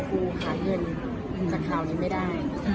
ปูหาเงินจากคราวนี้คือไม่ได้